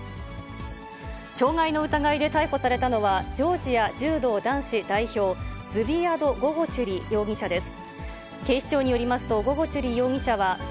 傷害の疑いで逮捕されたのは、ジョージア柔道男子代表、ズヴィアド・ゴゴチュリ容疑者です。